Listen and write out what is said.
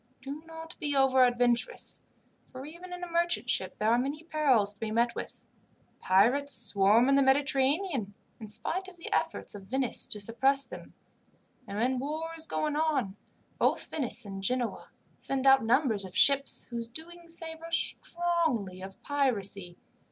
Do not be over adventurous, for even in a merchant ship there are many perils to be met with. Pirates swarm in the Mediterranean, in spite of the efforts of Venice to suppress them; and when war is going on, both Venice and Genoa send out numbers of ships whose doings savour strongly of piracy.